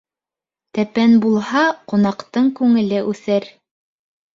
Тәпән булһа, ҡунаҡтың күңеле үҫер.